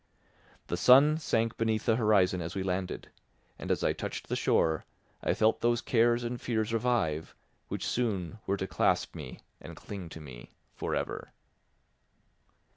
The sun sank beneath the horizon as we landed, and as I touched the shore I felt those cares and fears revive which soon were to clasp me and cling to me for ever.